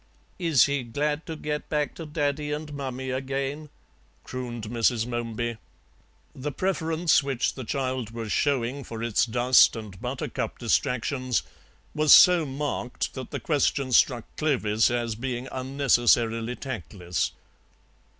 "Is he glad to get back to Daddy and Mummy again?" crooned Mrs. Momeby; the preference which the child was showing for its dust and buttercup distractions was so marked that the question struck Clovis as being unnecessarily tactless.